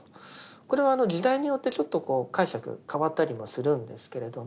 これは時代によってちょっと解釈変わったりもするんですけれども。